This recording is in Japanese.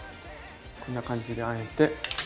こんな感じであえて。